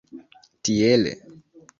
tiele